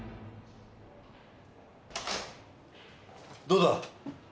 どうだ？